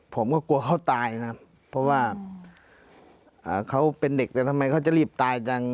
ผมก็กลัวเขาตายนะครับเพราะว่าเขาเป็นเด็กแต่ทำไมเขาจะรีบตายจัง